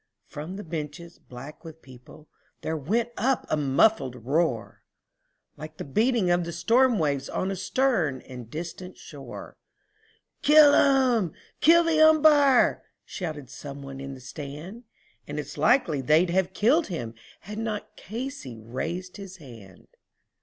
From the bleachers black with people there rose a sullen roar, Like the beating of the storm waves on a stern and distant shore, "Kill him! kill the Umpire!" shouted some one from the stand And it's likely they'd have done it had not Casey raised his hand.